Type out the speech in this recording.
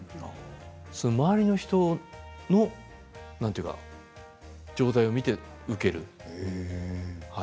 周りの人の状態を見て受けると。